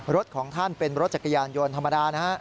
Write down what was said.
รถของท่านเป็นรถจักรยานยนต์ธรรมดานะฮะ